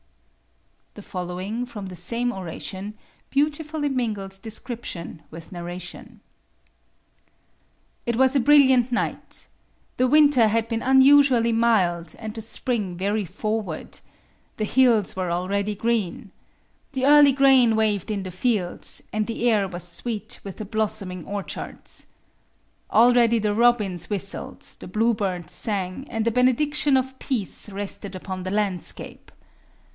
The following, from the same oration, beautifully mingles description with narration: It was a brilliant night. The winter had been unusually mild, and the spring very forward. The hills were already green. The early grain waved in the fields, and the air was sweet with the blossoming orchards. Already the robins whistled, the bluebirds sang, and the benediction of peace rested upon the landscape.